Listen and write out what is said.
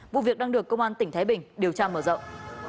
vụ việc đang được công an tỉnh thái bình điều tra mở rộng